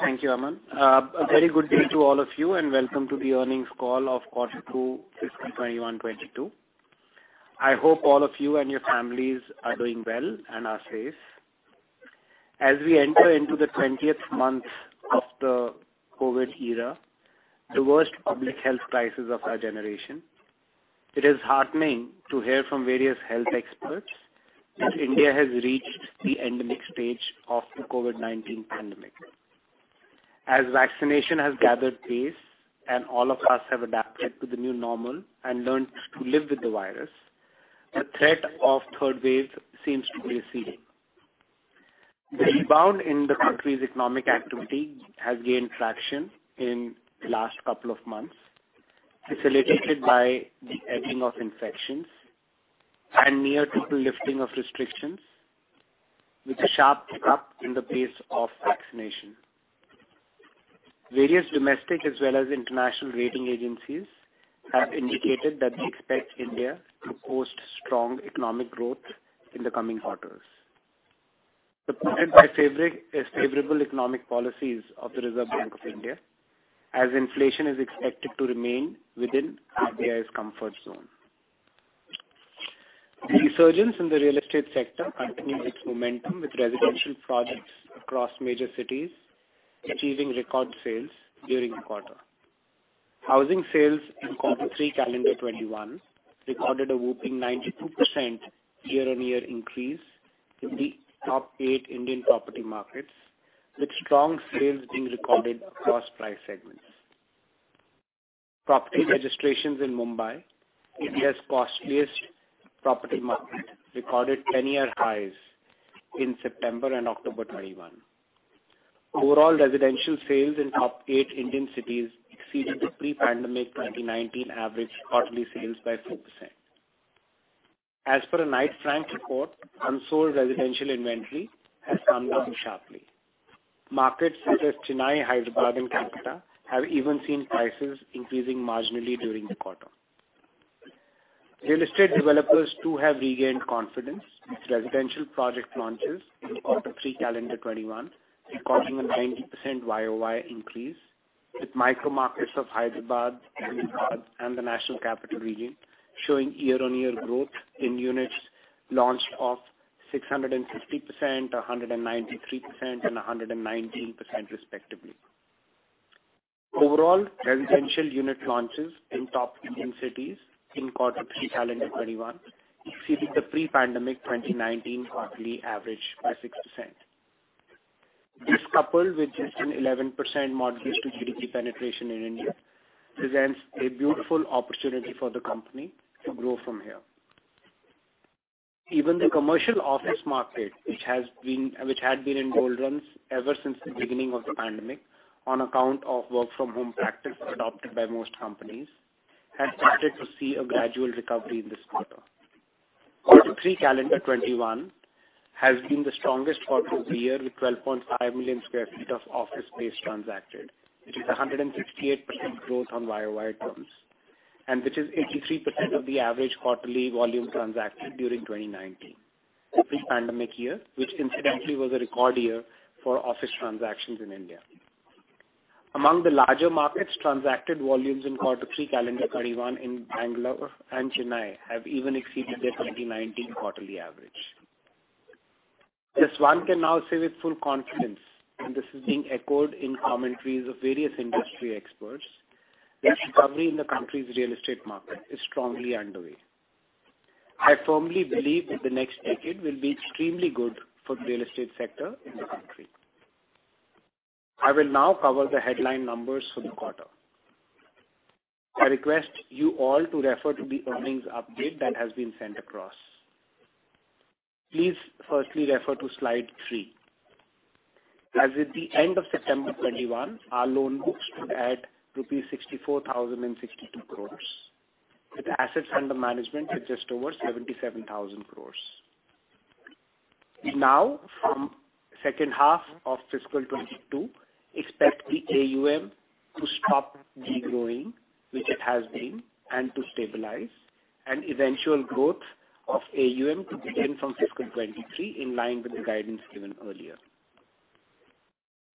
Thank you, Aman. A very good day to all of you and Welcome to the earnings call of quarter two fiscal 2021/2022. I hope all of you and your families are doing well and are safe. We enter into the 20th month of the COVID era, the worst public health crisis of our generation. It is heartening to hear from various health experts that India has reached the endemic stage of the COVID-19 pandemic. Vaccination has gathered pace, and all of us have adapted to the new normal and learned to live with the virus. The threat of third wave seems to be receding. The rebound in the country's economic activity has gained traction in the last couple of months. It's elicited by the ebbing of infections and near total lifting of restrictions with a sharp pick-up in the pace of vaccination. Various domestic as well as international rating agencies have indicated that they expect India to post strong economic growth in the coming quarters. Supported by favorable economic policies of the Reserve Bank of India, as inflation is expected to remain within RBI's comfort zone. The resurgence in the real estate sector continues its momentum with residential projects across major cities achieving record sales during the quarter. Housing sales in Q3 calendar 2021 recorded a whopping 92% year-on-year increase in the top eight Indian property markets, with strong sales being recorded across price segments. Property registrations in Mumbai, India's costliest property market, recorded ten-year highs in September and October 2021. Overall residential sales in top eight Indian cities exceeded the pre-pandemic 2019 average quarterly sales by 4%. As per a Knight Frank report, unsold residential inventory has come down sharply. Markets such as Chennai, Hyderabad and Kolkata have even seen prices increasing marginally during the quarter. Real estate developers too have regained confidence, with residential project launches in quarter three calendar 2021 recording a 90% YOY increase, with micro markets of Hyderabad, Bangalore and the National Capital Region showing year-on-year growth in units launched of 660%, 193% and 119% respectively. Overall, residential unit launches in top Indian cities in quarter three calendar 2021 exceeded the pre-pandemic 2019 quarterly average by 6%. This, coupled with just an 11% mortgage to GDP penetration in India, presents a beautiful opportunity for the company to grow from here. Even the commercial office market, which had been in doldrums ever since the beginning of the pandemic on account of work from home practice adopted by most companies, has started to see a gradual recovery in this quarter. Quarter three calendar 2021 has been the strongest quarter of the year, with 12.5 million sq ft of office space transacted. It is a 168% growth on YOY terms, and which is 83% of the average quarterly volume transacted during 2019, the pre-pandemic year, which incidentally was a record year for office transactions in India. Among the larger markets, transacted volumes in quarter three calendar 2021 in Bangalore and Chennai have even exceeded their 2019 quarterly average. Thus, one can now say with full confidence, and this is being echoed in commentaries of various industry experts, the recovery in the country's real estate market is strongly underway. I firmly believe that the next decade will be extremely good for the real estate sector in the country. I will now cover the headline numbers for the quarter. I request you all to refer to the earnings update that has been sent across. Please firstly refer to slide three. As at the end of September 2021, our loan book stood at rupees 64,062 crore, with assets under management at just over 77,000 crore. Now, from second half of FY 2022, expect the AUM to stop degrowing, which it has been, and to stabilize and eventual growth of AUM to begin from FY 2023 in line with the guidance given earlier.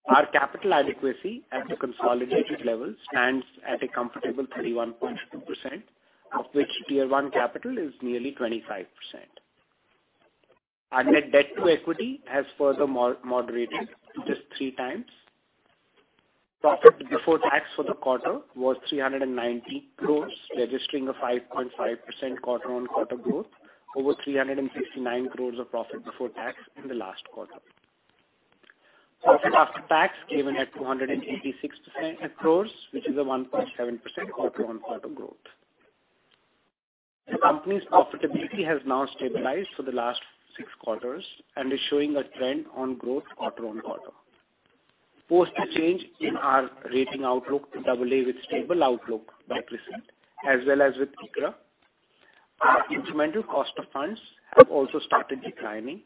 Our capital adequacy at the consolidated level stands at a comfortable 31.2%, of which tier one capital is nearly 25%. Our net debt to equity has further moderated to just 3x. Profit before tax for the quarter was 390 crores, registering a 5.5% quarter-on-quarter growth over 369 crores of profit before tax in the last quarter. Profit after tax came in at 286 crores, which is a 1.7% quarter-on-quarter growth. The company's profitability has now stabilized for the last six quarters and is showing a trend of growth quarter-on-quarter. Post the change in our rating outlook to AA with stable outlook by CRISIL, as well as with ICRA, our incremental cost of funds have also started declining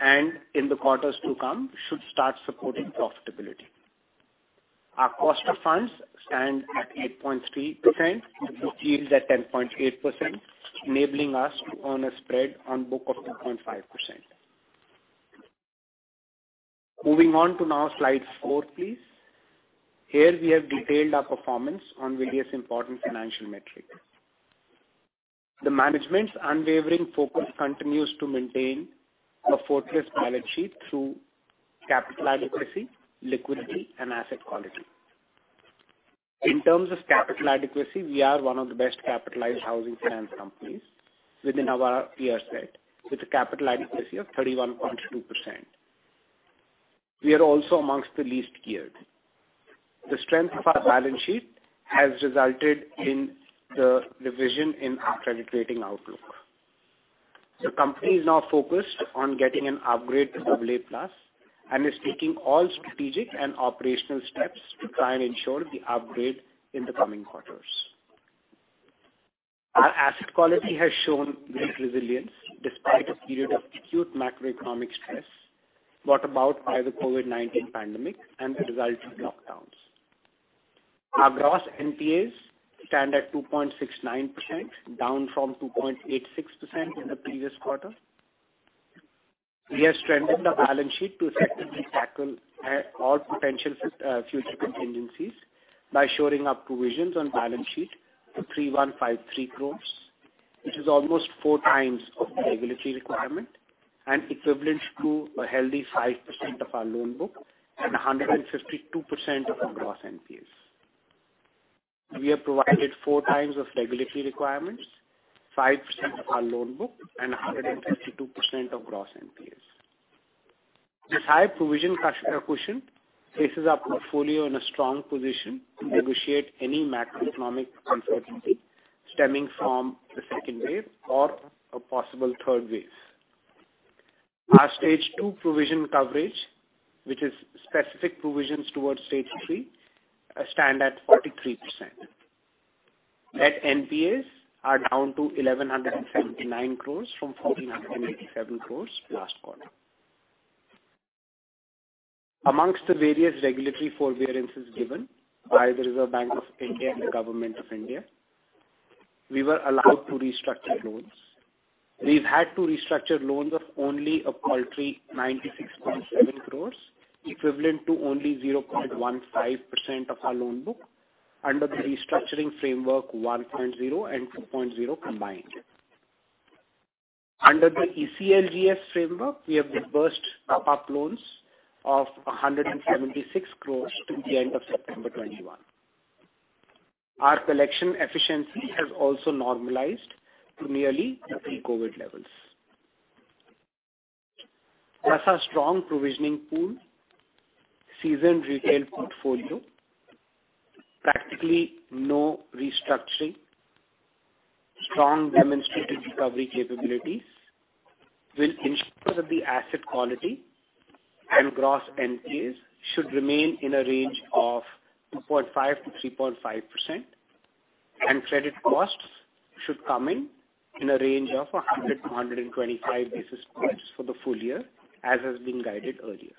and in the quarters to come should start supporting profitability. Our cost of funds stand at 8.3% with book yields at 10.8%, enabling us to earn a spread on book of 2.5%. Moving on to now slide four, please. Here we have detailed our performance on various important financial metrics. The management's unwavering focus continues to maintain a fortress balance sheet through capital adequacy, liquidity and asset quality. In terms of capital adequacy, we are one of the best capitalized housing finance companies within our peer set, with a capital adequacy of 31.2%. We are also among the least geared. The strength of our balance sheet has resulted in the revision in our credit rating outlook. The company is now focused on getting an upgrade to AA plus and is taking all strategic and operational steps to try and ensure the upgrade in the coming quarters. Our asset quality has shown great resilience despite a period of acute macroeconomic stress brought about by the COVID-19 pandemic and the resulting lockdowns. Our gross NPAs stand at 2.69%, down from 2.86% in the previous quarter. We have strengthened our balance sheet to effectively tackle all potential future contingencies by shoring up provisions on balance sheet to 3,153 crores, which is almost 4x of the regulatory requirement and equivalent to a healthy 5% of our loan book and 152% of our gross NPAs. We have provided 4x of regulatory requirements, 5% of our loan book and 152% of gross NPAs. This high provision cushion places our portfolio in a strong position to negotiate any macroeconomic uncertainty stemming from the second wave or a possible third wave. Our stage two provision coverage, which is specific provisions towards stage three, stand at 43%. Net NPAs are down to 1,179 crores from 1,487 crores last quarter. Among the various regulatory forbearances given by the Reserve Bank of India and the Government of India, we were allowed to restructure loans. We've had to restructure loans of only a paltry 96.7 crores, equivalent to only 0.15% of our loan book under the Resolution Framework 1.0 and 2.0 combined. Under the ECLGS framework, we have disbursed top-up loans of 176 crore till the end of September 2021. Our collection efficiency has also normalized to nearly pre-COVID levels. Thus, our strong provisioning pool, seasoned retail portfolio, practically no restructuring, strong demonstrated recovery capabilities will ensure that the asset quality and gross NPAs should remain in a range of 2.5%-3.5%, and credit costs should come in in a range of 100-125 basis points for the full year, as has been guided earlier.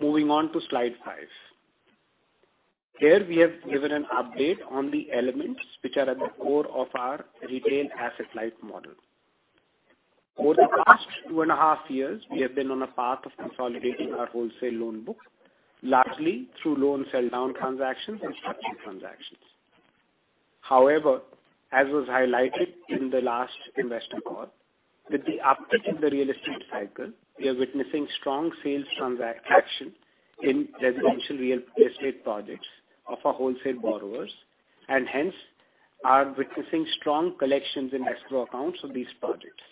Moving on to slide five. Here we have given an update on the elements which are at the core of our retail asset-light model. Over the past 2.5 years, we have been on a path of consolidating our wholesale loan book, largely through loan sell down transactions and structuring transactions. However, as was highlighted in the last investor call, with the uptick in the real estate cycle, we are witnessing strong sales transaction in residential real estate projects of our wholesale borrowers, and hence are witnessing strong collections in escrow accounts of these projects.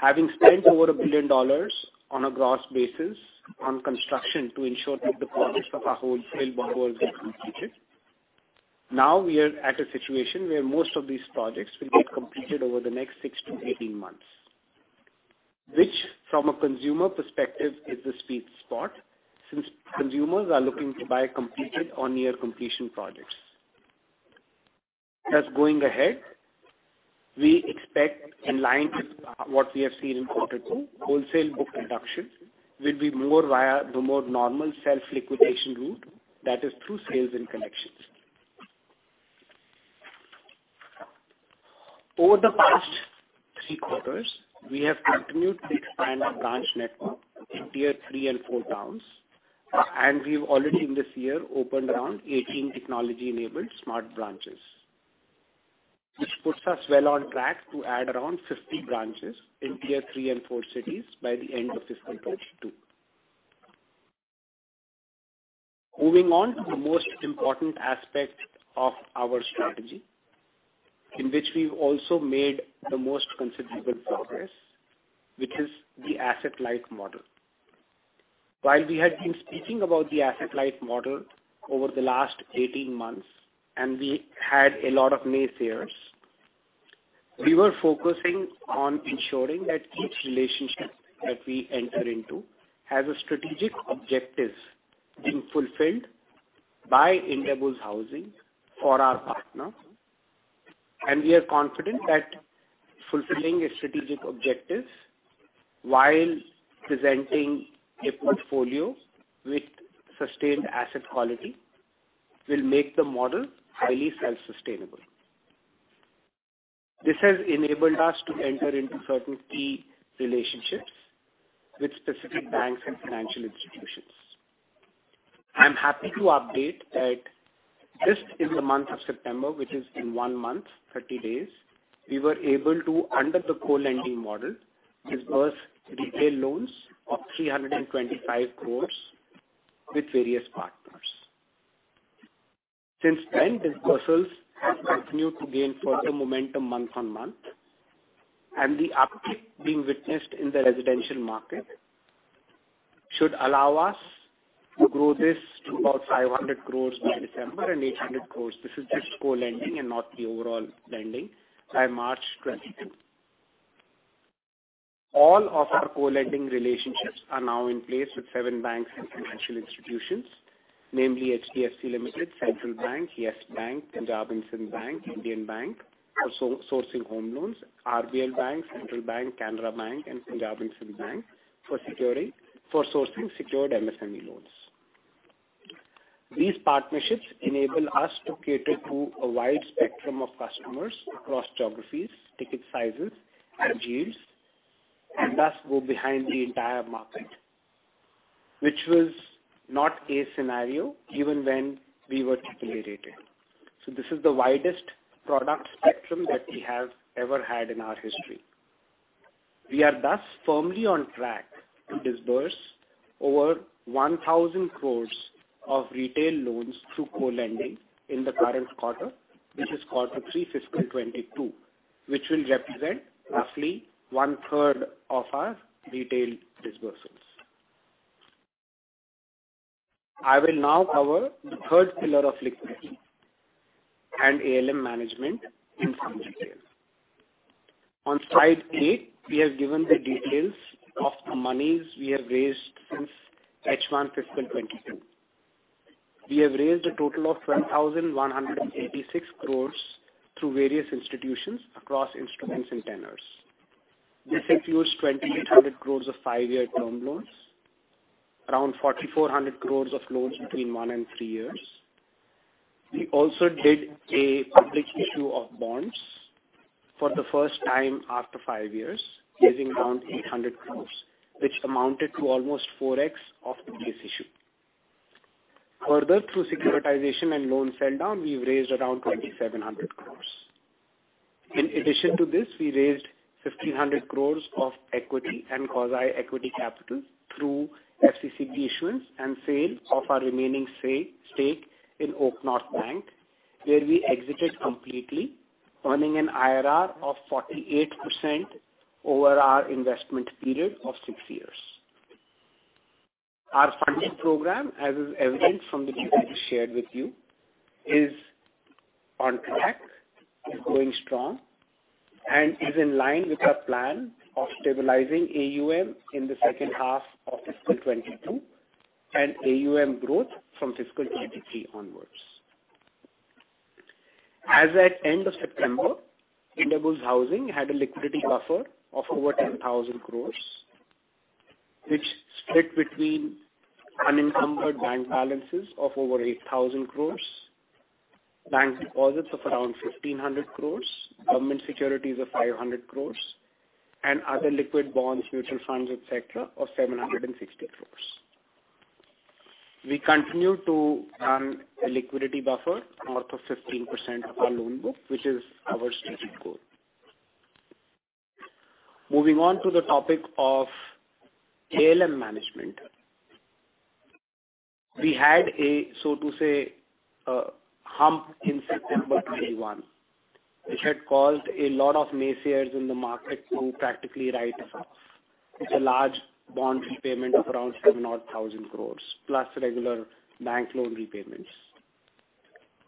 Having spent over $1 billion on a gross basis on construction to ensure that the projects of our wholesale borrowers get completed, now we are at a situation where most of these projects will get completed over the next six to 18 months, which from a consumer perspective is the sweet spot since consumers are looking to buy completed or near completion projects. Thus going ahead, we expect in line with what we have seen in quarter two, wholesale book reduction will be more via the more normal self-liquidation route, that is through sales and collections. Over the past three quarters, we have continued to expand our branch network in tier three and four towns, and we've already this year opened around 18 technology-enabled smart branches, which puts us well on track to add around 50 branches in tier three and four cities by the end of fiscal 2022. Moving on to the most important aspect of our strategy, in which we've also made the most considerable progress, which is the asset-light model. While we had been speaking about the asset-light model over the last 18 months, and we had a lot of naysayers, we were focusing on ensuring that each relationship that we enter into has a strategic objective being fulfilled by Indiabulls Housing for our partner. We are confident that fulfilling a strategic objective while presenting a portfolio with sustained asset quality will make the model highly self-sustainable. This has enabled us to enter into certain key relationships with specific banks and financial institutions. I'm happy to update that just in the month of September, which is in one month, 30 days, we were able to, under the co-lending model, disburse retail loans of 325 crore with various partners. Since then, disbursements have continued to gain further momentum month-on-month, and the uptick being witnessed in the residential market should allow us to grow this to about 500 crore by December and 800 crore, this is just co-lending and not the overall lending, by March 2022. All of our co-lending relationships are now in place with seven banks and financial institutions, namely HDFC Limited, Central Bank, Yes Bank, Punjab National Bank, Indian Bank for co-sourcing home loans. RBL Bank, Central Bank of India, Canara Bank, and Punjab National Bank for sourcing secured MSME loans. These partnerships enable us to cater to a wide spectrum of customers across geographies, ticket sizes, and yields and thus go behind the entire market, which was not a scenario even when we were triple A rated. This is the widest product spectrum that we have ever had in our history. We are thus firmly on track to disburse over 1,000 crores of retail loans through co-lending in the current quarter, which is quarter three fiscal 2022, which will represent roughly 1/3 of our retail disbursements. I will now cover the third pillar of liquidity and ALM management in some detail. On slide eight, we have given the details of the monies we have raised since H1 fiscal 2022. We have raised a total of 12,186 crores through various institutions across instruments and tenors. This includes 2,800 crores of five-year term loans. Around 4,400 crores of loans between one and three years. We also did a public issue of bonds for the first time after five years, raising around 800 crores, which amounted to almost 4x of the base issue. Further, through securitization and loan sell-down, we've raised around 2,700 crores. In addition to this, we raised 1,500 crores of equity and quasi-equity capital through FCCB issuance and sale of our remaining stake in OakNorth Bank, where we exited completely, earning an IRR of 48% over our investment period of six years. Our funding program, as is evident from the details shared with you, is on track, is going strong, and is in line with our plan of stabilizing AUM in the second half of fiscal 2022 and AUM growth from fiscal 2023 onwards. As at end of September, Indiabulls Housing had a liquidity buffer of over 10,000 crores, which split between unencumbered bank balances of over 8,000 crores, bank deposits of around 1,500 crores, government securities of 500 crores, and other liquid bonds, mutual funds, et cetera, of 760 crores. We continue to run a liquidity buffer north of 15% of our loan book, which is our strategic goal. Moving on to the topic of ALM management. We had a, so to say, a hump in September 2021, which had caused a lot of naysayers in the market to practically write us off. It's a large bond repayment of around 7,000 crore, plus regular bank loan repayments.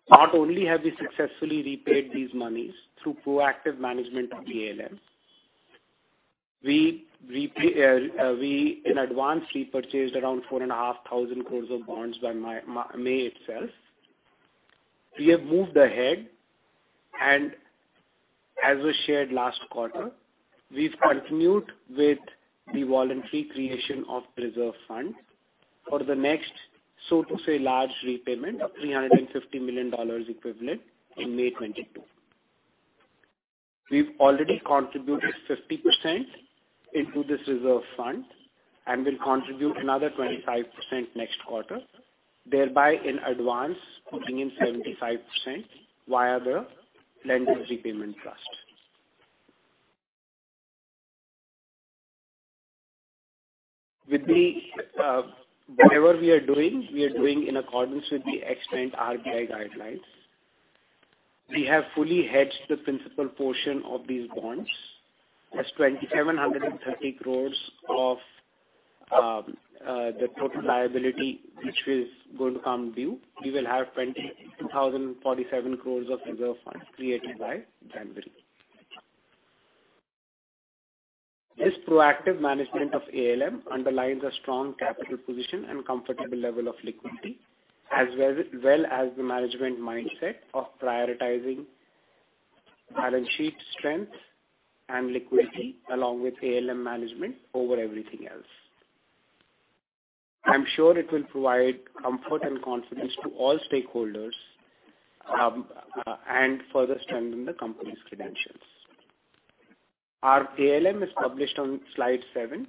Not only have we successfully repaid these monies through proactive management of ALM, we in advance repurchased around 4,500 crore of bonds by May itself. We have moved ahead and as we shared last quarter, we've continued with the voluntary creation of reserve funds for the next, so to say, large repayment of $350 million equivalent in May 2022. We've already contributed 50% into this reserve fund and will contribute another 25% next quarter, thereby in advance putting in 75% via the lender repayment trust. With whatever we are doing, we are doing in accordance with the extant RBI guidelines. We have fully hedged the principal portion of these bonds. As 2,730 crores of the total liability, which is going to come due, we will have 22,047 crores of reserve funds created by then. This proactive management of ALM underlines a strong capital position and comfortable level of liquidity, as well as the management mindset of prioritizing balance sheet strength and liquidity, along with ALM management over everything else. I'm sure it will provide comfort and confidence to all stakeholders and further strengthen the company's credentials. Our ALM is published on slide seven,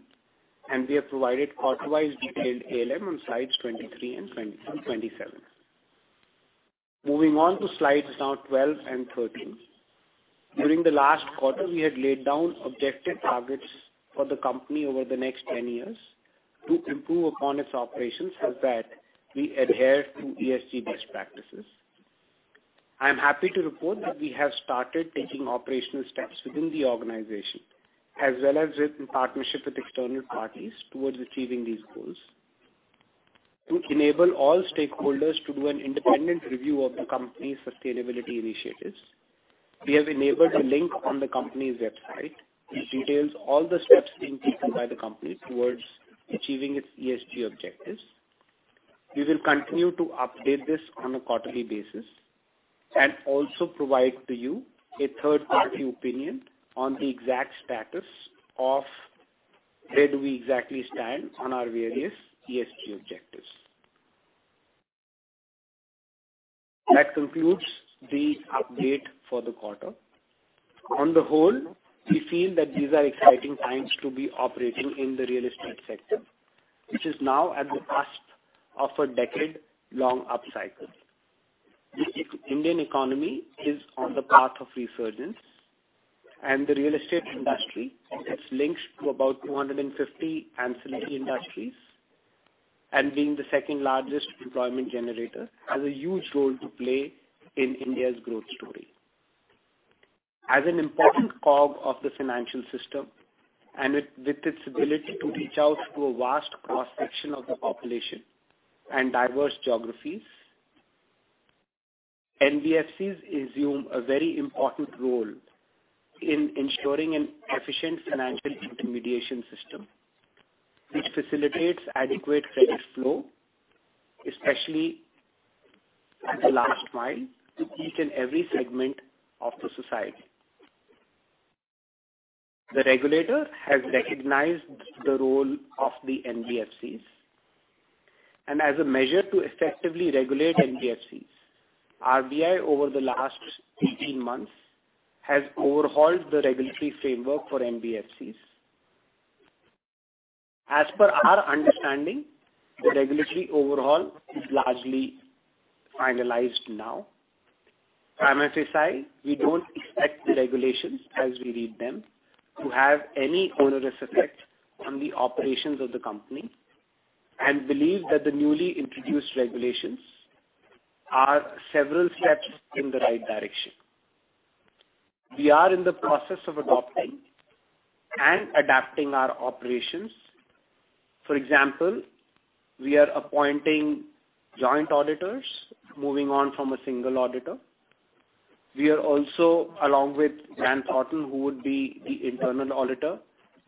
and we have provided quarter-wise detailed ALM on slides 23 and 27. Moving on to slides 12 and 13. During the last quarter, we had laid down objective targets for the company over the next 10 years to improve upon its operations so that we adhere to ESG best practices. I am happy to report that we have started taking operational steps within the organization, as well as with partnership with external parties towards achieving these goals. To enable all stakeholders to do an independent review of the company's sustainability initiatives, we have enabled a link on the company's website, which details all the steps being taken by the company towards achieving its ESG objectives. We will continue to update this on a quarterly basis and also provide to you a third-party opinion on the exact status of where do we exactly stand on our various ESG objectives. That concludes the update for the quarter. On the whole, we feel that these are exciting times to be operating in the real estate sector, which is now at the cusp of a decade-long upcycle. The Indian economy is on the path of resurgence, and the real estate industry has links to about 250 ancillary industries, and being the second-largest employment generator, has a huge role to play in India's growth story. As an important cog of the financial system and with its ability to reach out to a vast cross-section of the population and diverse geographies, NBFCs assume a very important role in ensuring an efficient financial intermediation system, which facilitates adequate credit flow, especially at the last mile to each and every segment of the society. The regulator has recognized the role of the NBFCs, and as a measure to effectively regulate NBFCs, RBI over the last 18 months has overhauled the regulatory framework for NBFCs. As per our understanding, the regulatory overhaul is largely finalized now. I must say, we don't expect the regulations as we read them to have any onerous effect on the operations of the company and believe that the newly introduced regulations are several steps in the right direction. We are in the process of adopting and adapting our operations. For example, we are appointing joint auditors, moving on from a single auditor. We are also, along with Grant Thornton, who would be the internal auditor,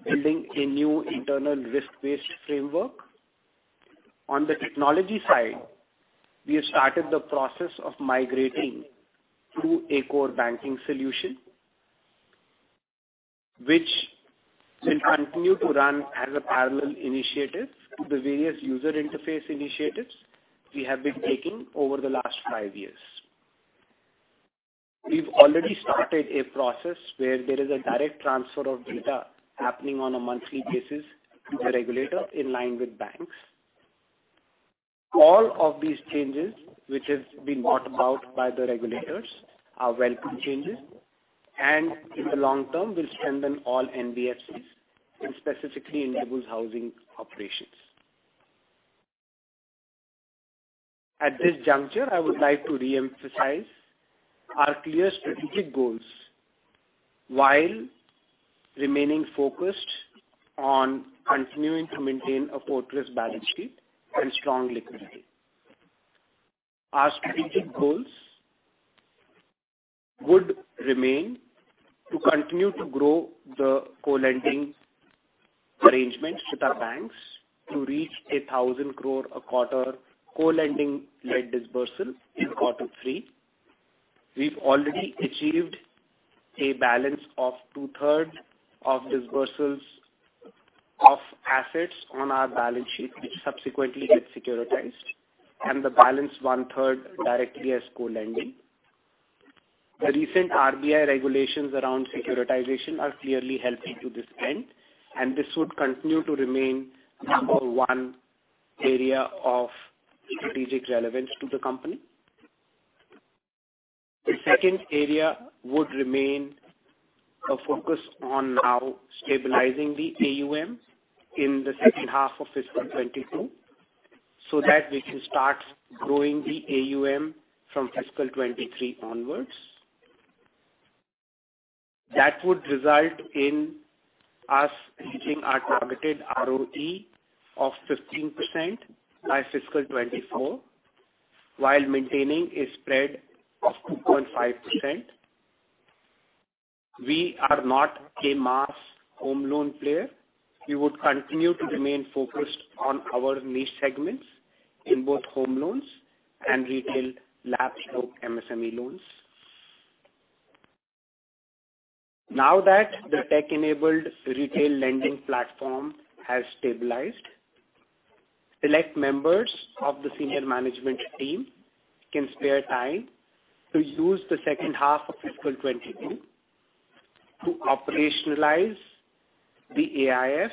building a new internal risk-based framework. On the technology side, we have started the process of migrating to a core banking solution, which will continue to run as a parallel initiative to the various user interface initiatives we have been taking over the last five years. We've already started a process where there is a direct transfer of data happening on a monthly basis to the regulator in line with banks. All of these changes, which have been brought about by the regulators, are welcome changes and in the long term will strengthen all NBFCs and specifically Indiabulls' housing operations. At this juncture, I would like to reemphasize our clear strategic goals while remaining focused on continuing to maintain a fortress balance sheet and strong liquidity. Our strategic goals would remain to continue to grow the co-lending arrangements with our banks to reach 1,000 crore a quarter co-lending led disbursal in quarter three. We've already achieved a balance of 2/3 of disbursals of assets on our balance sheet, which subsequently get securitized and the balance 1/3 directly as co-lending. The recent RBI regulations around securitization are clearly helping to this end, and this would continue to remain number one area of strategic relevance to the company. The second area would remain a focus on now stabilizing the AUM in the second half of fiscal 2022 so that we can start growing the AUM from fiscal 2023 onwards. That would result in us reaching our targeted ROE of 15% by fiscal 2024. While maintaining a spread of 2.5%. We are not a mass home loan player. We would continue to remain focused on our niche segments in both home loans and retail LAP/MSME loans. Now that the tech-enabled retail lending platform has stabilized, select members of the senior management team can spare time to use the second half of fiscal 2022 to operationalize the AIS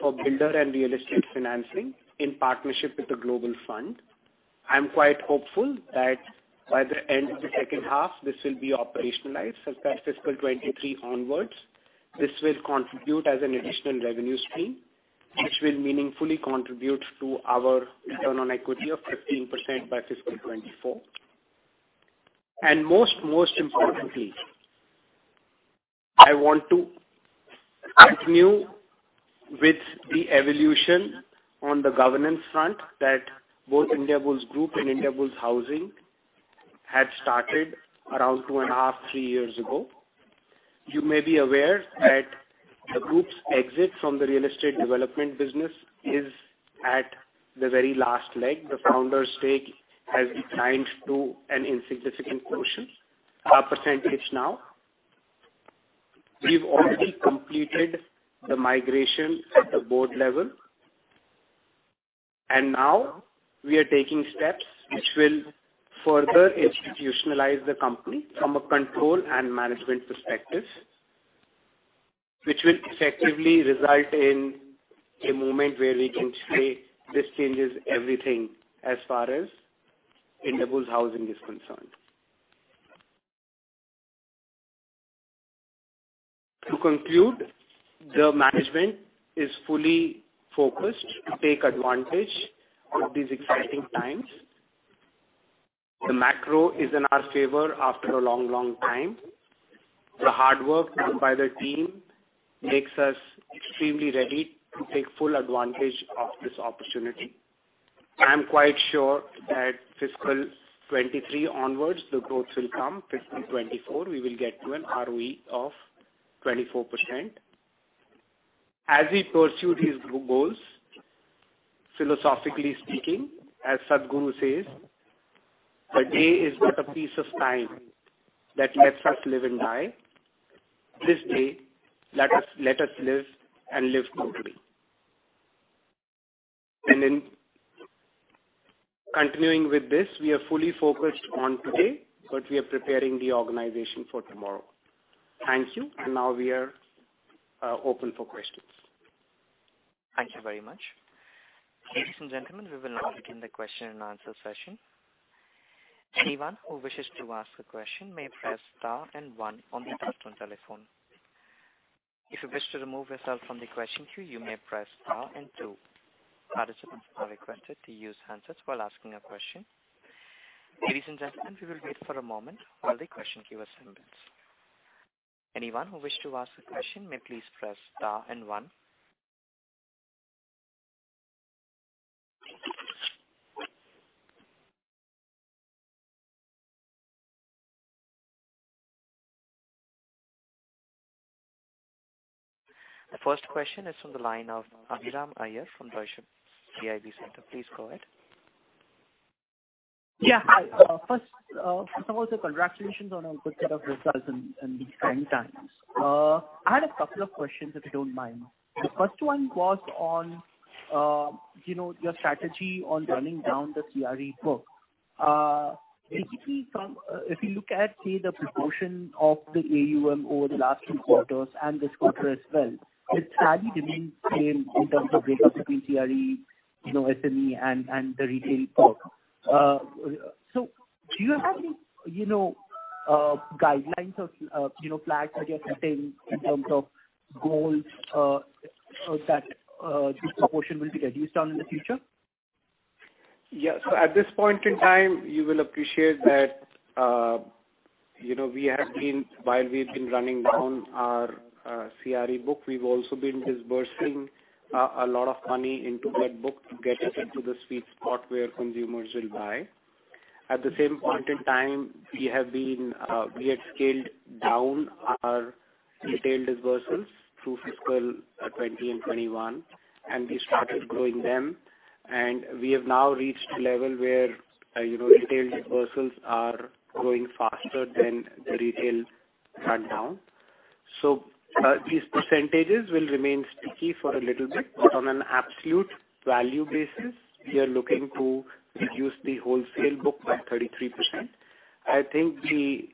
for builder and real estate financing in partnership with the Global Fund. I'm quite hopeful that by the end of the second half, this will be operationalized such that FY 2023 onwards, this will contribute as an additional revenue stream, which will meaningfully contribute to our return on equity of 15% by FY 2024. Most importantly, I want to continue with the evolution on the governance front that both Indiabulls Group and Indiabulls Housing had started around 2.5, three years ago. You may be aware that the group's exit from the real estate development business is at the very last leg. The founder's stake has declined to an insignificant portion, percentage now. We've already completed the migration at the board level, and now we are taking steps which will further institutionalize the company from a control and management perspective, which will effectively result in a moment where we can say this changes everything as far as Indiabulls Housing is concerned. To conclude, the management is fully focused to take advantage of these exciting times. The macro is in our favor after a long, long time. The hard work done by the team makes us extremely ready to take full advantage of this opportunity. I am quite sure that fiscal 2023 onwards, the growth will come. Fiscal 2024, we will get to an ROE of 24%. As we pursue these goals, philosophically speaking, as Sadhguru says, "The day is but a piece of time that lets us live and die. This day let us live and live totally." In continuing with this, we are fully focused on today, but we are preparing the organization for tomorrow. Thank you. Now we are open for questions. Thank you very much. Ladies and gentlemen, we will now begin the question-and-answer session. Anyone who wishes to ask a question may press star then one on the touchtone telephone. If you wish to remove yourself from the question queue, you may press star and two. Participants are requested to use handsets while asking a question. Ladies and gentlemen, we will wait for a moment while the question queue assembles. Anyone who wishes to ask a question may please press star and one. The first question is from the line of Abhilash Iyer from Deutsche Bank. Please go ahead. Yeah. Hi. First of all, sir, congratulations on a good set of results in these trying times. I had a couple of questions, if you don't mind. The first one was on your strategy on running down the CRE book. Basically from if you look at, say, the proportion of the AUM over the last two quarters and this quarter as well, it sadly remains same in terms of breakup between CRE, you know, SME and the retail book. So, do you have any, you know, guidelines or, you know, flags that you're setting in terms of goals so that this proportion will be reduced in the future? Yeah. At this point in time, you will appreciate that, you know, while we've been running down our CRE book, we've also been disbursing a lot of money into that book to get it into the sweet spot where consumers will buy. At the same point in time, we had scaled down our retail disbursements through fiscal 2020 and 2021, and we started growing them. We have now reached a level where, you know, retail disbursements are growing faster than the retail rundown. These percentages will remain sticky for a little bit, but on an absolute value basis, we are looking to reduce the wholesale book by 33%. I think the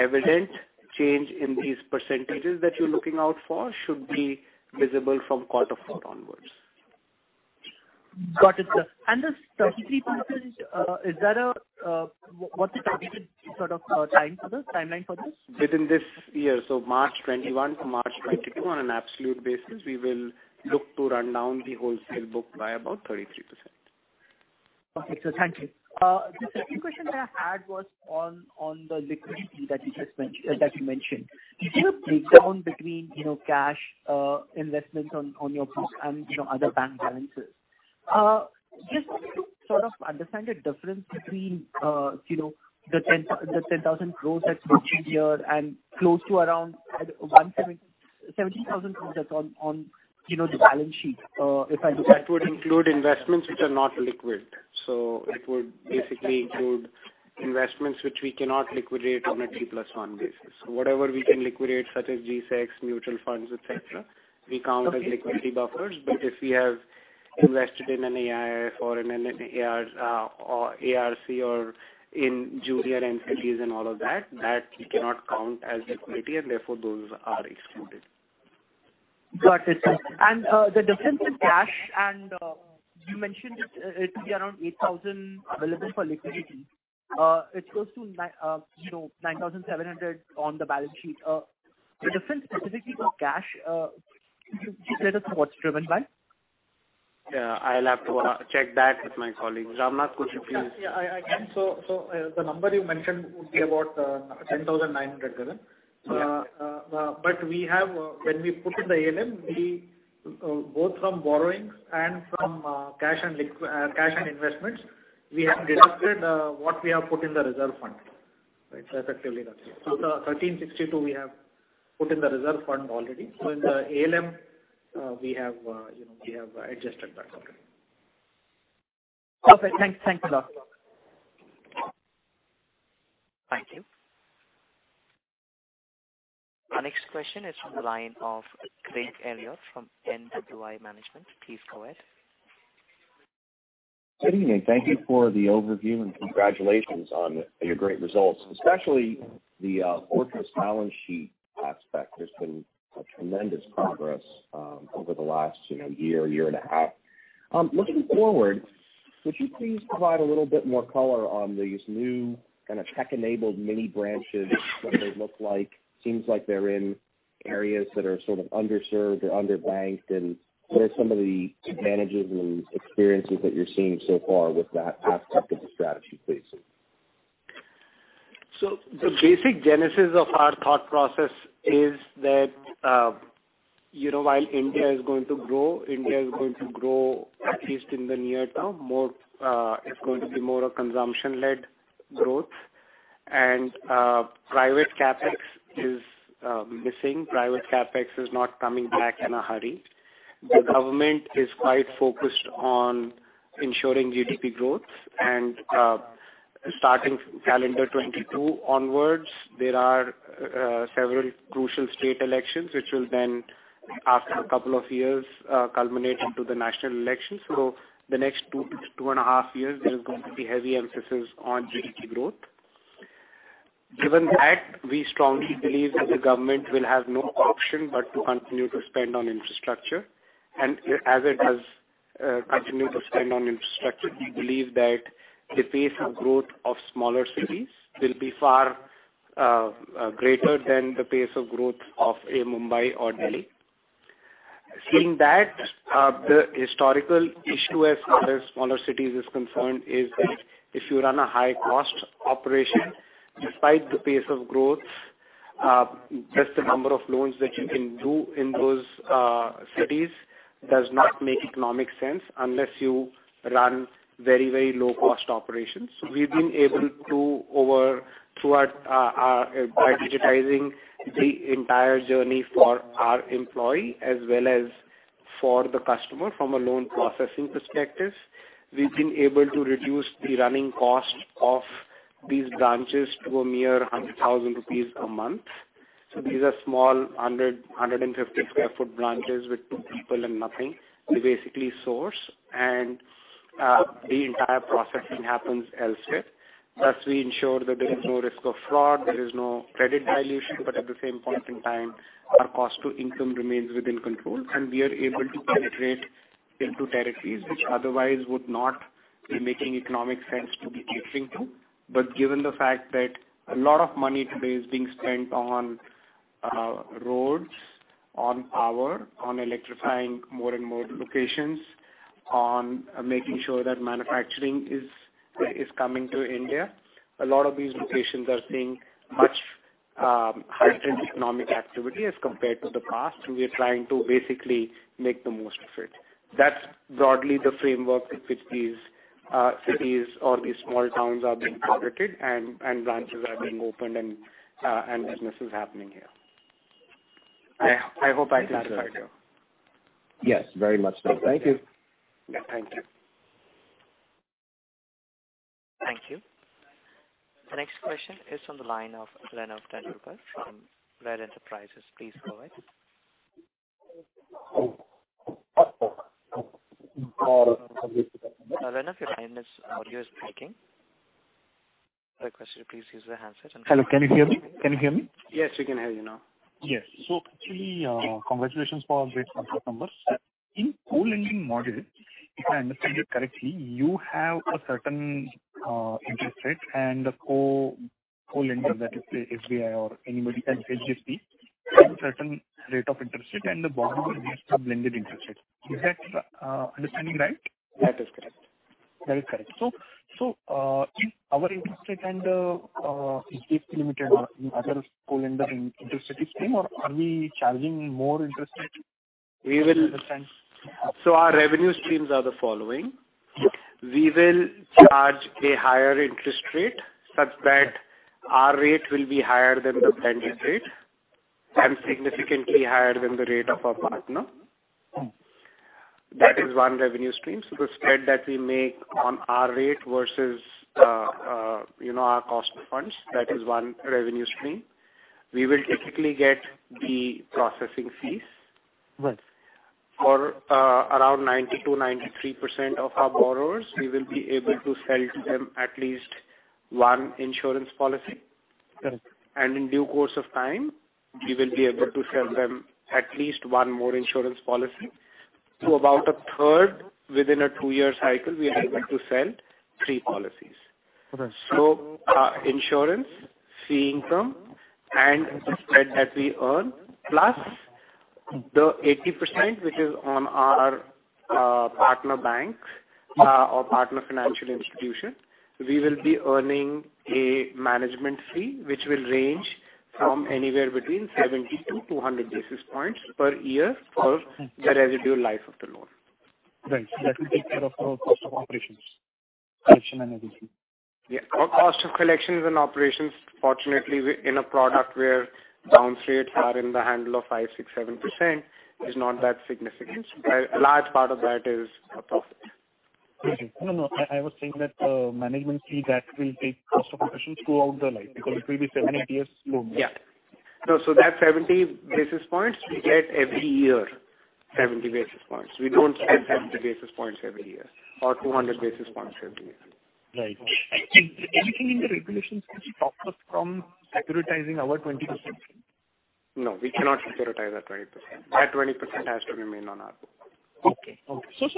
evident change in these percentages that you're looking out for should be visible from quarter four onwards. Got it, sir. This 33%, what's the targeted sort of timeline for this? Within this year. March 2021-March 2022 on an absolute basis, we will look to run down the wholesale book by about 33%. Perfect. Thank you. The second question that I had was on the liquidity that you just mentioned. Is there a breakdown between, you know, cash, investments on your books and, you know, other bank balances? Just to sort of understand the difference between, you know, the 10,000 crore that's mentioned here and close to around 17,000 crore that's on the balance sheet, if I look at- That would include investments which are not liquid. It would basically include investments which we cannot liquidate on a T+1 basis. Whatever we can liquidate, such as GSEC, mutual funds, et cetera, we count as liquidity buffers. Okay. If we have invested in an AIF or in an ARC or in junior entities and all of that we cannot count as liquidity and therefore those are excluded. Got it. The difference in cash and you mentioned it to be around 8,000 crore available for liquidity. It goes to, you know, 9,700 crore on the balance sheet. The difference specifically for cash, could you share that's what's driven by? Yeah, I'll have to check that with my colleagues. Ramnath, could you please? Yeah. I can. The number you mentioned would be about 10,900 million. Yeah. We have, when we put in the ALM, we both from borrowings and from cash and investments, we have deducted what we have put in the reserve fund. Right. Effectively that's it. The 1,362 we have put in the reserve fund already. In the ALM, you know, we have adjusted that already. Perfect. Thanks. Thanks a lot. Welcome. Thank you. Our next question is from the line of Craig Elliott from NWI Management. Please go ahead. Good evening. Thank you for the overview and congratulations on your great results, especially the robust balance sheet aspect. There's been a tremendous progress over the last, you know, year and a half. Looking forward, would you please provide a little bit more color on these new kinds of tech-enabled mini branches, what they look like? Seems like they're in areas that are sort of underserved or underbanked. What are some of the advantages and experiences that you're seeing so far with that aspect of the strategy, please? The basic genesis of our thought process is that, you know, while India is going to grow, at least in the near term, it's going to be more a consumption-led growth. Private CapEx is missing. Private CapEx is not coming back in a hurry. The government is quite focused on ensuring GDP growth. Starting calendar 2022 onwards, there are several crucial state elections, which will then, after a couple of years, culminate into the national elections. The next two and a half years there is going to be heavy emphasis on GDP growth. Given that, we strongly believe that the government will have no option but to continue to spend on infrastructure. As it does continue to spend on infrastructure, we believe that the pace of growth of smaller cities will be far greater than the pace of growth of a Mumbai or Delhi. Seeing that, the historical issue as far as smaller cities is concerned is that if you run a high-cost operation, despite the pace of growth, just the number of loans that you can do in those cities does not make economic sense unless you run very, very low-cost operations. We've been able to, by digitizing the entire journey for our employee as well as for the customer from a loan processing perspective, reduce the running costs of these branches to a mere 100,000 rupees a month. These are small 150 sq ft branches with two people and nothing. We basically source and the entire processing happen elsewhere. Thus, we ensure that there is no risk of fraud, there is no credit dilution, but at the same point in time, our cost to income remains within control and we are able to penetrate into territories which otherwise would not be making economic sense to be catering to. Given the fact that a lot of money today is being spent on roads, on power, on electrifying more and more locations, on making sure that manufacturing is coming to India, a lot of these locations are seeing much heightened economic activity as compared to the past. We are trying to basically make the most of it. That's broadly the framework with which these cities or these small towns are being targeted, and branches are being opened and business is happening here. I hope I clarified you. Yes, very much so. Thank you. Yeah, thank you. Thank you. The next question is from the line of Renov Tanrupal from Religare Enterprises. Please go ahead. Renov, your line is. Audio is breaking. Request you to please use the handset and Hello, can you hear me? Can you hear me? Yes, we can hear you now. Yes. Actually, congratulations for great Q1 numbers. In co-lending model, if I understand it correctly, you have a certain interest rate and the co-lender, that is the SBI or anybody, say HDFC, have a certain rate of interest and the borrower gets a blended interest rate. Is that understanding right? That is correct. That is correct. If our interest rate is it limited or in other co-lending interest rate scheme or are we charging more interest rate? We will- I don't understand. Our revenue streams are the following. Yes. We will charge a higher interest rate such that our rate will be higher than the blended rate and significantly higher than the rate of our partner. Mm-hmm. That is one revenue stream. The spread that we make on our rate versus, you know, our cost of funds, that is one revenue stream. We will typically get the processing fees. Right. For around 90%-93% of our borrowers, we will be able to sell to them at least one insurance policy. Right. In due course of time, we will be able to sell them at least one more insurance policy. To about a third within a two-year cycle, we are able to sell three policies. Okay. Insurance fee income and the spread that we earn, plus the 80%, which is on our partner banks or partner financial institution, we will be earning a management fee, which will range from anywhere between 70-200 basis points per year for the residual life of the loan. Right. That will take care of our cost of operations, collection and everything. Yeah. Our cost of collections and operations, fortunately, we're in a product where bounce rates are in the handle of 5%, 6%, 7% is not that significant. A large part of that is our profit. No, no. I was saying that management fee that will take cost of operations throughout the life because it will be 70-year loan. Yeah. No, that 70 basis points we get every year, 70 basis points. We don't get 70 basis points every year or 200 basis points every year. Right. Is anything in the regulations which stop us from securitizing our 20%? No, we cannot securitize our 20%. That 20% has to remain on our book. Okay. Sir,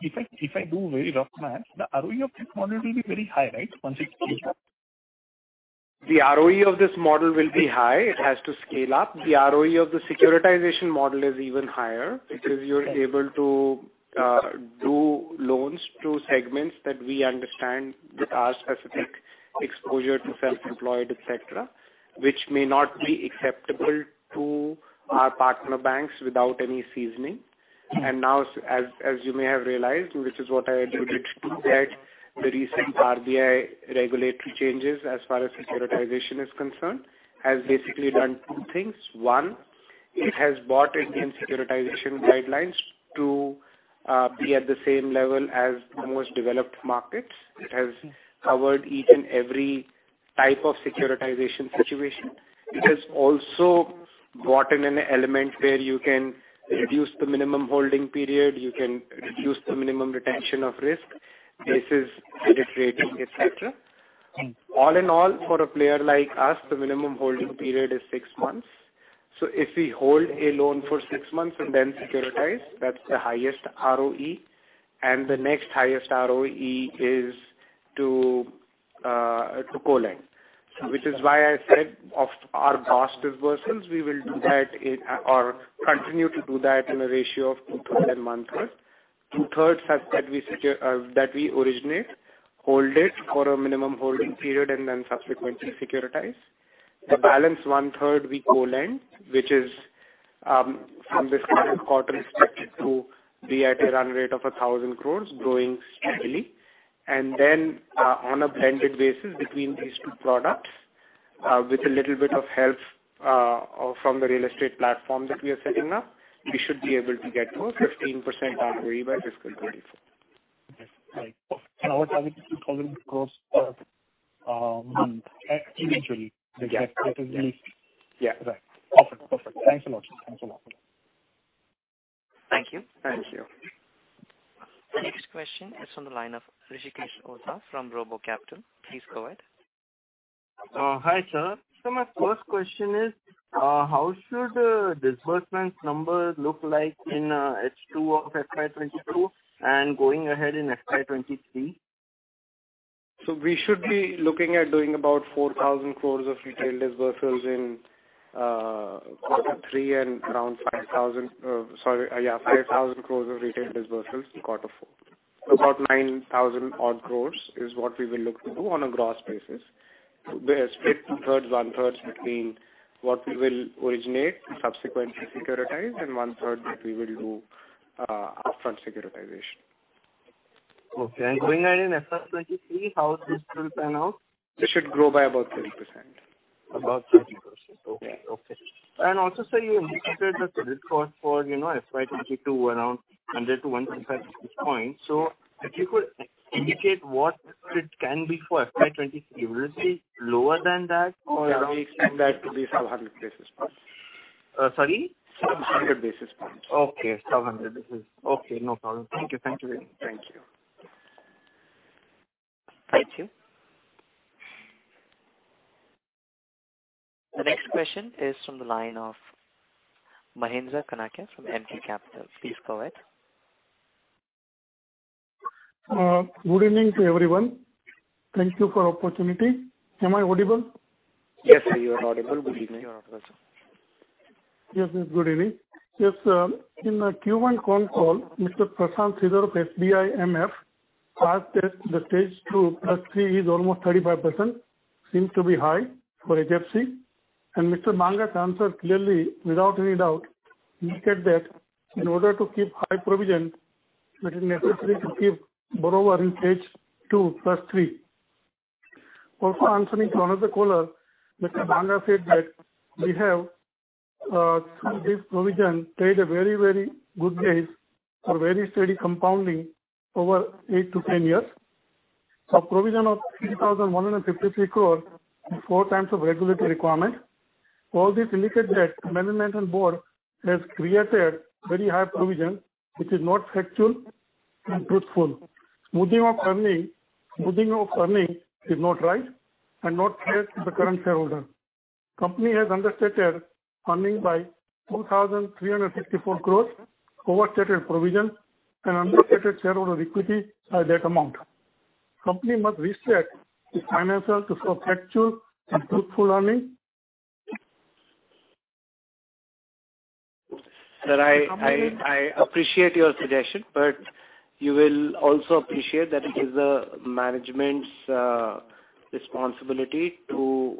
if I do very rough math, the ROE of this model will be very high, right? Once it scales up. The ROE of this model will be high. It has to scale up. The ROE of the securitization model is even higher because you're able to do loans through segments that we understand with our specific exposure to self-employed, et cetera, which may not be acceptable to our partner banks without any seasoning. Mm-hmm. Now, as you may have realized, which is what I alluded to, that the recent RBI regulatory changes as far as securitization is concerned, has basically done two things. One, it has brought Indian securitization guidelines to be at the same level as most developed markets. It has covered each and every type of securitization situation. It has also brought in an element where you can reduce the minimum holding period, you can reduce the minimum retention of risk basis credit rating, et cetera. Right. All in all, for a player like us, the minimum holding period is six months. If we hold a loan for six months and then securitize, that's the highest ROE, and the next highest ROE is to co-lend. Which is why I said of our gross disbursements, we will do that in or continue to do that in a ratio of 2/3 and 1/3. 2/3 have said that we originate, hold it for a minimum holding period, and then subsequently securitize. The balance 1/3 we co-lend, which is, from this current quarter, expected to be at a run rate of 1,000 crores growing steadily. On a blended basis between these two products, with a little bit of help from the real estate platform that we are setting up, we should be able to get to a 15% ROE by fiscal 2024. Okay. Right. Our target is INR 2000 crore for eventually. Yeah. That is the- Yeah. Right. Perfect. Thanks a lot. Thank you. Thank you. The next question is from the line of Rishikesh Oza from RoboCapital. Please go ahead. Hi, sir. My first question is, how should disbursements numbers look like in H2 of FY 2022 and going ahead in FY 2023? We should be looking at doing about 4,000 crores of retail disbursements in quarter three and around 5,000 crores of retail disbursements in quarter four. About 9,000 odd crores is what we will look to do on a gross basis. They're split 2/3, 1/3 between what we will originate and subsequently securitize, and 1/3 that we will do upfront securitization. Okay. Going ahead in FY 2023, how this will pan out? This should grow by about 30%. About 30%. Okay. Okay. Also, sir, you indicated the credit cost for, you know, FY 2022 around 100-100 basis points. If you could indicate what it can be for FY 2023, will it be lower than that or around? Yeah, we expect that to be 700 basis points. Sorry? 700 basis points. Okay, 700 basis. Okay, no problem. Thank you. Thank you. Thank you. Thank you. The next question is from the line of Mahendra Kanakia from M3 Capital. Please go ahead. Good evening to everyone. Thank you for the opportunity. Am I audible? Yes, sir, you are audible. Good evening. Yes, good evening. Yes, in the Q1 call, Mr. Prashant Sridhar of FDIMF asked that the stage 2+3 is almost 35%. Seems to be high for HFC. Mr. Banga answered clearly, without any doubt, indicated that in order to keep high provision, it is necessary to keep borrower in stage 2+3. Also answering to another caller, Mr. Banga said that we have, through this provision, paid a very, very good base for very steady compounding over eight-10 years. A provision of 3,153 crore is 4x of regulatory requirement. All this indicates that management and board have created very high provision which is not factual and truthful. Moving of earning is not right and not fair to the current shareholder. Company has understated earnings by 2,364 crores, overstated provisions, and understated shareholder equity by that amount. Company must reset the finances to show factual and truthful earnings. Sir, I appreciate your suggestion, but you will also appreciate that it is the management's responsibility to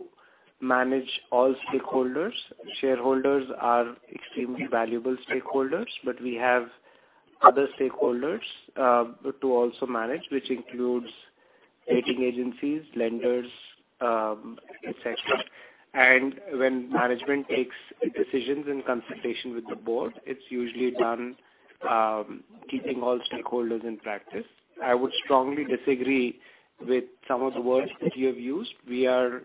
manage all stakeholders. Shareholders are extremely valuable stakeholders, but we have other stakeholders to also manage, which includes rating agencies, lenders, et cetera. When management takes decisions in consultation with the board, it's usually done keeping all stakeholders in practice. I would strongly disagree with some of the words that you have used. We are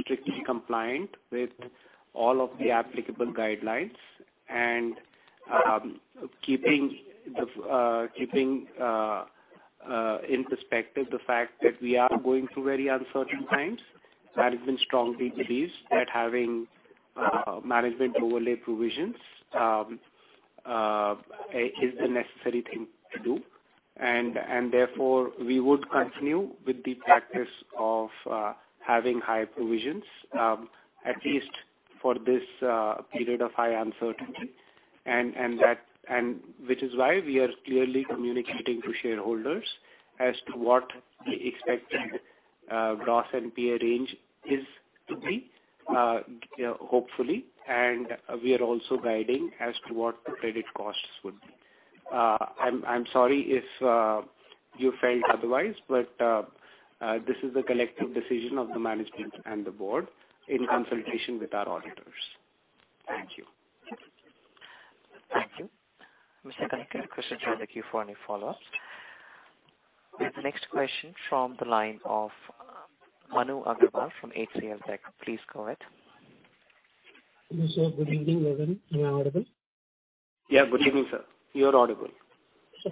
strictly compliant with all of the applicable guidelines. Keeping in perspective the fact that we are going through very uncertain times, management strongly believes that having management overlay provisions is the necessary thing to do. Therefore, we would continue with the practice of having high provisions at least for this period of high uncertainty. which is why we are clearly communicating to shareholders as to what the expected gross NPA range is to be, you know, hopefully, and we are also guiding as to what the credit costs would be. I'm sorry if you felt otherwise, but this is the collective decision of the management and the board in consultation with our auditors. Thank you. Thank you. Mr. Kanakia, please join the queue for any follow-ups. The next question from the line of Manu Agarwal from HCLTech. Please go ahead. Yes, sir. Good evening, everyone. Am I audible? Yeah, good evening, sir. You are audible.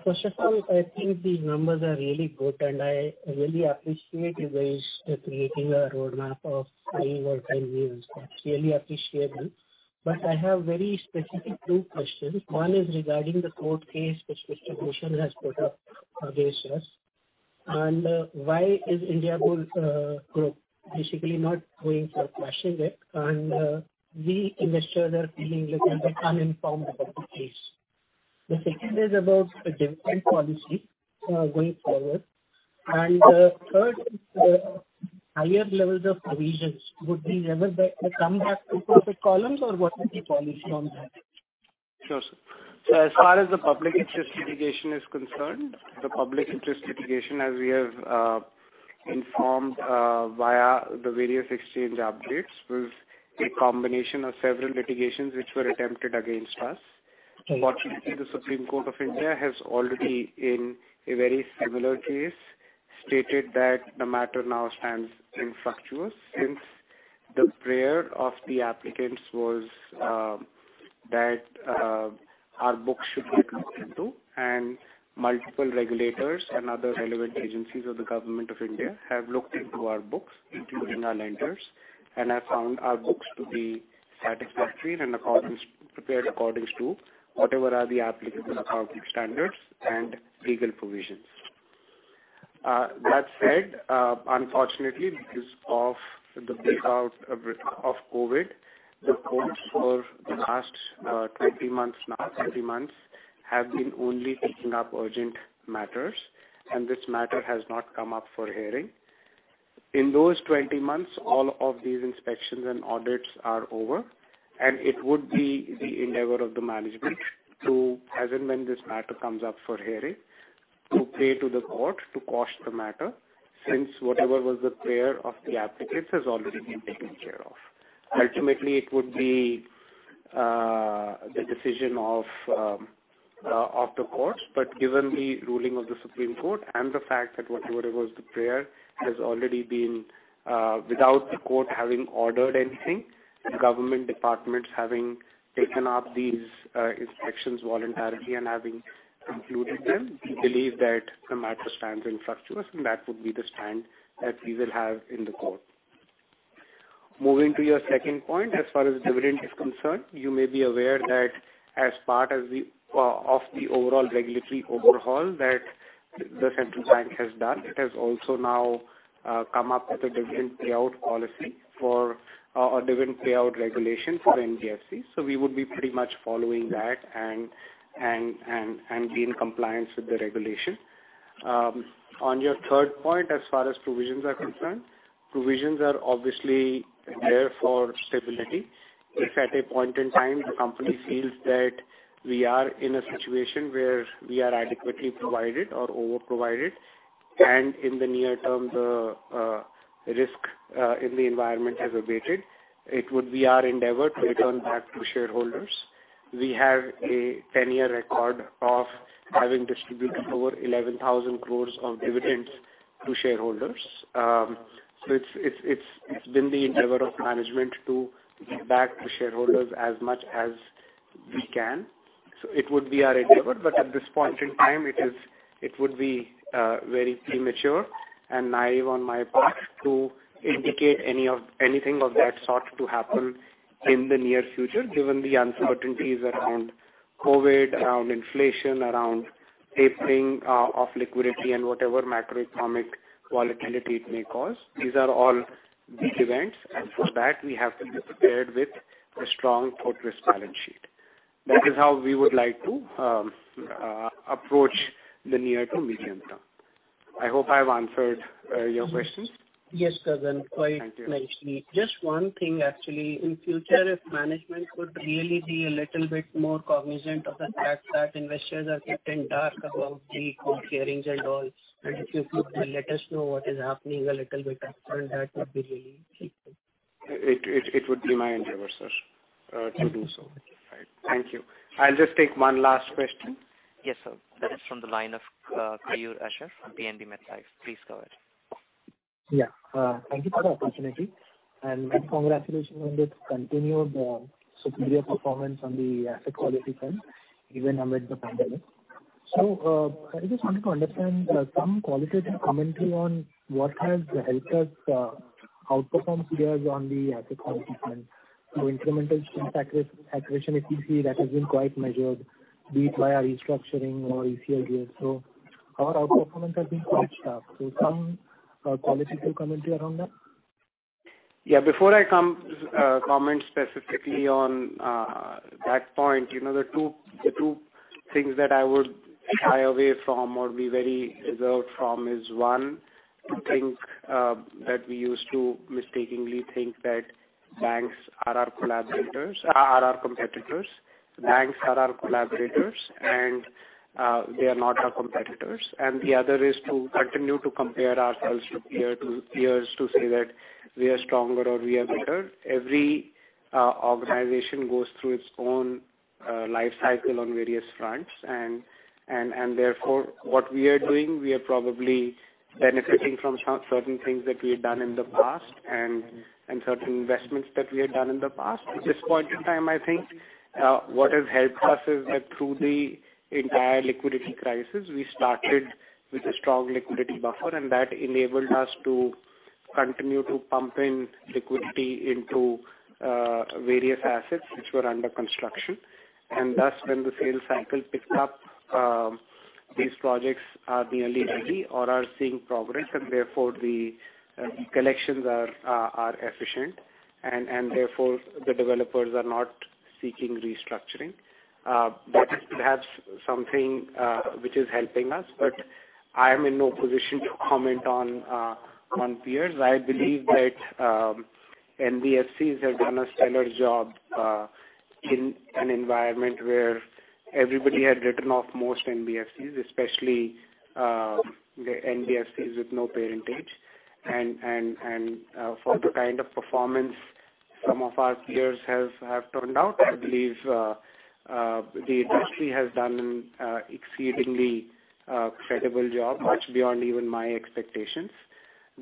First of all, I think these numbers are really good, and I really appreciate you guys creating a roadmap of three or 10 years. That's really appreciable. I have very specific two questions. One is regarding the court case which Distribution has put up against us. Why is Indiabulls Group basically not going for quashing it? We investors are feeling little bit uninformed about the case. The second is about the dividend policy going forward. Third is the higher levels of provisions. Would we ever come back to profit columns or what is the policy on that? Sure, sir. As far as the public interest litigation is concerned, as we have informed via the various exchange updates, it was a combination of several litigations which were attempted against us. Fortunately, the Supreme Court of India has already, in a very similar case, stated that the matter now stands infructuous since the prayer of the applicants was that our books should be looked into. Multiple regulators and other relevant agencies of the government of India have looked into our books, including our lenders, and have found our books to be satisfactory and in accordance, prepared in accordance to whatever are the applicable accounting standards and legal provisions. That said, unfortunately, because of the outbreak of COVID, the courts for the last 20 months have been only taking up urgent matters. This matter has not come up for hearing. In those 20 months, all of these inspections and audits are over, and it would be the endeavor of the management to, as and when this matter comes up for hearing, to pray to the court to quash the matter since whatever was the prayer of the applicants has already been taken care of. Ultimately, it would be the decision of the courts. Given the ruling of the Supreme Court and the fact that whatever was the prayer has already been, without the court having ordered anything, government departments having taken up these inspections voluntarily and having concluded them, we believe that the matter stands infructuous, and that would be the stand that we will have in the court. Moving to your second point, as far as dividend is concerned, you may be aware that as part of the overall regulatory overhaul that the central bank has done, it has also now come up with a dividend payout policy for, or a dividend payout regulation for NBFC. We would be pretty much following that and be in compliance with the regulation. On your third point, as far as provisions are concerned, provisions are obviously there for stability. If at a point in time the company feels that we are in a situation where we are adequately provided or over-provided, and in the near term the risk in the environment has abated, it would be our endeavor to return back to shareholders. We have a 10-year record of having distributed over 11,000 crore of dividends to shareholders. It's been the endeavor of management to give back to shareholders as much as we can. It would be our endeavor. At this point in time, it would be very premature and naive on my part to indicate anything of that sort to happen in the near future, given the uncertainties around COVID, around inflation, around tapering of liquidity and whatever macroeconomic volatility it may cause. These are all big events, and for that we have to be prepared with a strong fortress balance sheet. That is how we would like to approach the near to medium term. I hope I've answered your questions. Yes, sir. Quite nicely. Thank you. Just one thing, actually. In future, if management could really be a little bit more cognizant of the fact that investors are kept in the dark about the call hearings and all. If you could let us know what is happening a little bit upfront, that would be really helpful. It would be my endeavor, sir, to do so. Right. Thank you. I'll just take one last question. Yes, sir. That is from the line of Kayur Asher from PNB MetLife. Please go ahead. Yeah. Thank you for the opportunity, and my congratulations on the continued, superior performance on the asset quality front, even amid the pandemic. I just wanted to understand, some qualitative commentary on what has helped us, outperform peers on the asset quality front. Incremental impact accretion NPA that has been quite measured, be it via restructuring or OTS deals. Our outperformance has been top stuff. Some qualitative commentary around that. Yeah. Before I come to comment specifically on that point, you know, the two things that I would shy away from or be very reserved from is, one, to think that we used to mistakenly think that banks are our collaborators, are our competitors. Banks are our collaborators and they are not our competitors. The other is to continue to compare ourselves to peers to say that we are stronger or we are better. Every organization goes through its own life cycle on various fronts and therefore, what we are doing, we are probably benefiting from certain things that we have done in the past and certain investments that we have done in the past. At this point in time, I think, what has helped us is that through the entire liquidity crisis, we started with a strong liquidity buffer, and that enabled us to continue to pump in liquidity into various assets which were under construction. Thus, when the sales cycle picked up, these projects are nearly ready or are seeing progress and therefore the collections are efficient and therefore the developers are not seeking restructuring. That is perhaps something which is helping us, but I am in no position to comment on peers. I believe that NBFCs have done a stellar job in an environment where everybody had written off most NBFCs, especially the NBFCs with no parentage. For the kind of performance some of our peers have turned out, I believe the industry has done an exceedingly credible job, much beyond even my expectations.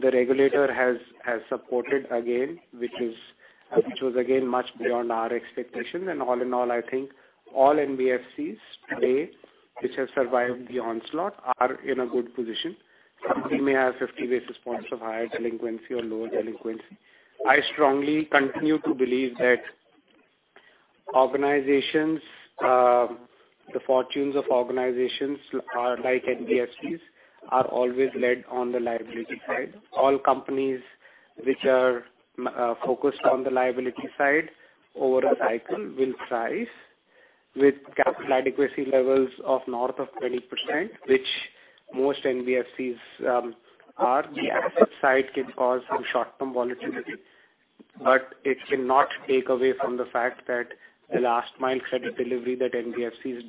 The regulator has supported again, which was again much beyond our expectations. All in all, I think all NBFCs today which have survived the onslaught are in a good position. We may have 50 basis points of higher delinquency or lower delinquency. I strongly continue to believe that organizations, the fortunes of organizations are, like NBFCs, are always led on the liability side. All companies which are focused on the liability side over a cycle will rise with capital adequacy levels of north of 20%, which most NBFCs are. The asset side can cause some short-term volatility, but it cannot take away from the fact that the last mile credit delivery that NBFCs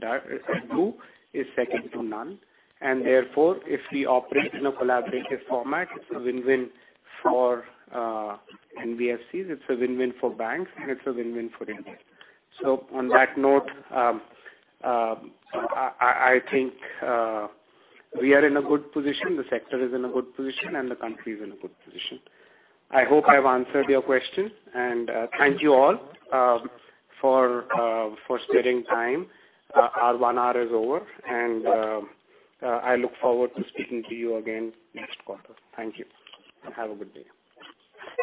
do is second to none. Therefore, if we operate in a collaborative format, it's a win-win for NBFCs, it's a win-win for banks, and it's a win-win for India. On that note, I think we are in a good position, the sector is in a good position, and the country is in a good position. I hope I've answered your question and thank you all for sparing time. Our one hour is over, and I look forward to speaking to you again next quarter. Thank you. Have a good day.